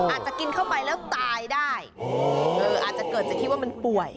อาจจะกินเข้าไปแล้วตายได้อาจจะเกิดจากที่ว่ามันป่วย